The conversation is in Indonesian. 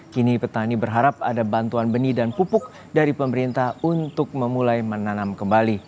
kini petani berharap ada bantuan benih dan pupuk dari pemerintah untuk memulai menanam kembali